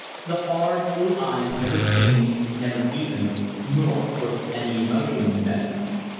The hard, blue eyes never changed, never deepened, nor was there any emotion in them.